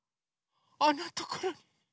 あんなところに。